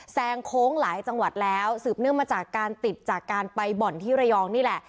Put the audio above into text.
แซงโค้งหลายจังหวัดแล้วสืบเนื่องมาจากการติดจากการไปบ่อนที่ระยองนี่แหละ